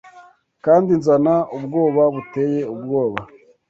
kandi nzana ubwoba buteye ubwoba